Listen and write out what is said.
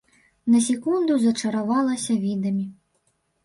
На секунду зачаравалася відамі.